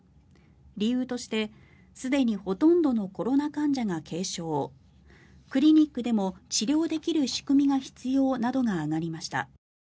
理由として、すでにほとんどのコロナ患者が軽症クリニックでも治療できる仕組みが必要などが挙がりました。